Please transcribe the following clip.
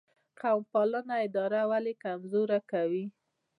قوم پالنه اداره ولې کمزورې کوي؟